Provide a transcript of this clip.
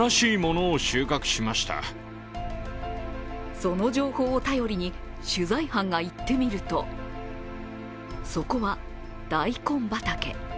その情報を頼りに、取材班が行ってみると、そこは、大根畑。